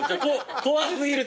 怖過ぎる。